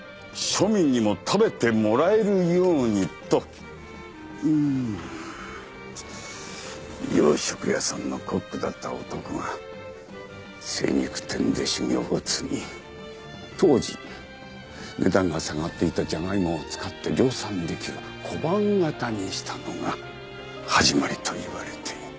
庶民にも食べてもらえるようにと洋食屋さんのコックだった男が精肉店で修業を積み当時値段が下がっていたジャガイモを使って量産できる小判形にしたのが始まりといわれている。